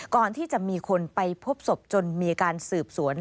ก่อนที่จะมีคนไปพบศพจนมีการสืบสวน